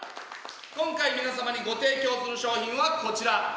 今回、皆様にご提供する商品はこちら。